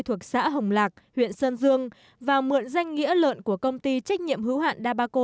thuộc xã hồng lạc huyện sơn dương và mượn danh nghĩa lợn của công ty trách nhiệm hữu hạn dabaco